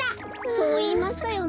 そういいましたよね。